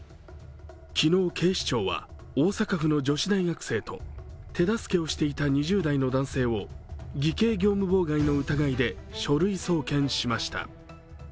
昨日、警視庁は大阪府の女子大学生と手助けをしていた２０代の男性を偽計業務妨害の疑いで書類送検しました。